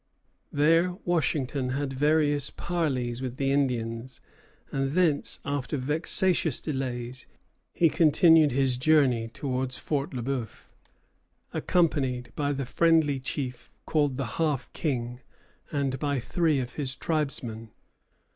There Washington had various parleys with the Indians; and thence, after vexatious delays, he continued his journey towards Fort Le Bœuf, accompanied by the friendly chief called the Half King and by three of his tribesmen.